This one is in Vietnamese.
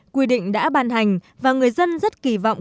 quy định đã ban hành và người dân rất kỳ vọng